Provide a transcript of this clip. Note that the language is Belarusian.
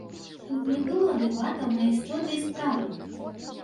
Тут не было дэбатаў над істотай справы.